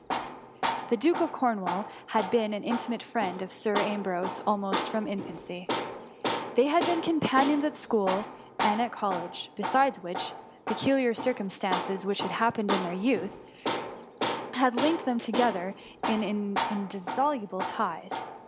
The Duke of Cornwall had been the inti mate friend of Sir Ambrose almost from infancy. They had been companions at school and at college; besides which, peculiar circuftistances which had happened in their youth, had link THE M0MMY. 51 ed them together in indissoluble ties.